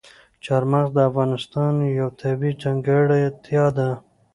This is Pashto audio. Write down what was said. چار مغز د افغانستان یوه طبیعي ځانګړتیا ده.